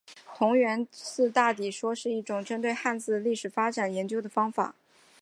同源词大抵可以说是一种针对汉字的历史发展研究的方法。